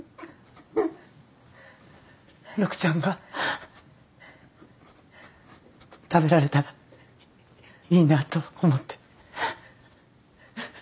陸ちゃんが食べられたらいいなぁと思って